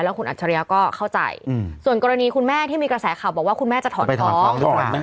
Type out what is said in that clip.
คุณอัจฉริยะก็เข้าใจส่วนกรณีคุณแม่ที่มีกระแสข่าวบอกว่าคุณแม่จะถอนฟ้อง